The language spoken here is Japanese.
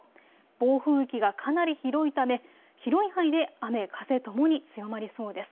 暴風域がかなり広いため広い範囲で雨、風ともに強まりそうです。